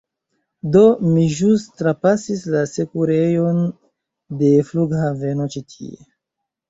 Do, mi ĵus trapasis la sekurejon de la flughaveno ĉi tie